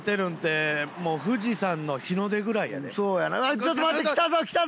ちょっと待って来たぞ来たぞ！